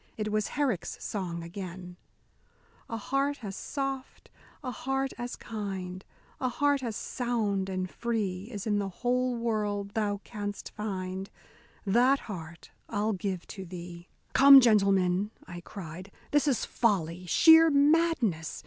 It was Herrick's song again: A heart as soft, a heart as kind, A heart as sound and free Is in the whole world thou canst find, That heart I'll give to thee. "Come, gentlemen," I cried, "this is folly, sheer madness.